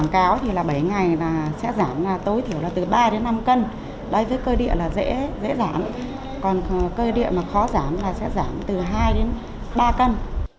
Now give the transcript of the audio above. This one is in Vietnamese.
cơ địa là dễ giảm còn cơ địa mà khó giảm là sẽ giảm từ hai đến ba cân